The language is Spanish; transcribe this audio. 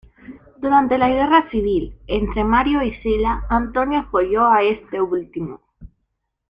Durante la guerra civil entre Mario y Sila, Antonio apoyó a este último.